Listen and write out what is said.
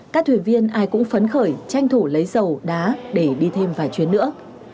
các thuyền viên ai cũng phấn khởi tranh thủ lấy dầu đá để đi thêm vài chuyến nữa